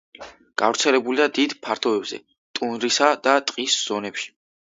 გავრცელებულია დიდ ფართობებზე ტუნდრისა და ტყის ზონებში.